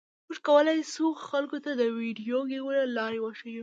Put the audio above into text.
موږ کولی شو خلکو ته د ویډیو ګیمونو لارې وښیو